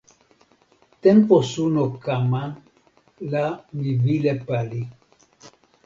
tenpo suno kama la mi wile pali.